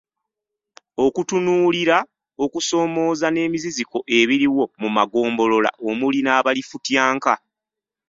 Okutunuulira okusoomooza n’emiziziko ebiriwo mu magombolola omuli n’abalifutyanka.